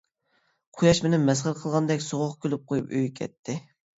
قۇياش مېنى مەسخىرە قىلغاندەك سوغۇق كۈلۈپ قويۇپ ئۆيىگە كەتتى.